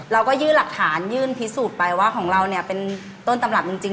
เราก็ยื่นหลักฐานยื่นพิสูจน์ไปว่าของเราเนี่ยเป็นต้นตำรับจริง